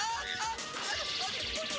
aduh aduh aduh aduh aduh